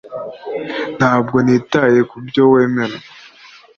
Ntabwo nitaye kubyo wemera